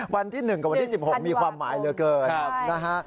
วันที่๑กับวันที่๑๖มีความหมายเหลือเกินนะฮะ